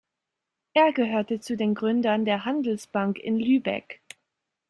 Er gehörte zu den Gründern der Handelsbank in Lübeck.